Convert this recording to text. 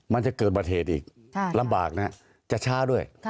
มันจะเกิดบัติเหตุอีกลำบากนะจะช้าด้วย